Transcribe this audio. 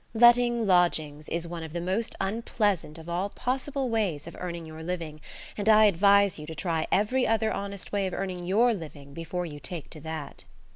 Letting lodgings is one of the most unpleasant of all possible ways of earning your living, and I advise you to try every other honest way of earning your living before you take to that.